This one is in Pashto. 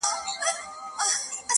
د يوسفي حُسن شروع ته سرگردانه وو;